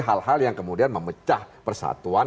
hal hal yang kemudian memecah persatuan